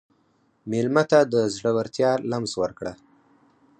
مېلمه ته د زړورتیا لمس ورکړه.